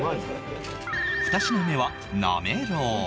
２品目はなめろう